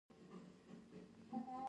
تعلیم حق دی